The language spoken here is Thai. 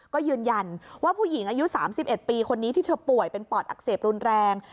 ก็ยืนยันว่าผู้หญิงอายุ๓๑ปีคนนี้ที่เธอป่วยเป็นปอดอักเสบรุนแรง